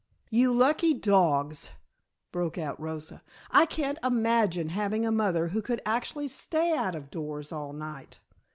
"You lucky dogs!" broke out Rosa, "I can't imagine having a mother who could actually stay out of doors all night."